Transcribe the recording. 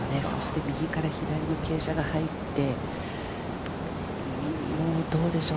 右から左に傾斜が入って、どうでしょう？